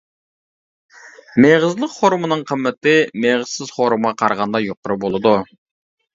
مېغىزلىق خورمىنىڭ قىممىتى مېغىزسىز خورمىغا قارىغاندا يۇقىرى بولىدۇ.